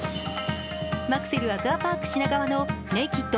マクセルアクアパーク品川のＮＡＫＥＤ